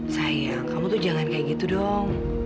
sayang kamu tuh jangan kayak gitu dong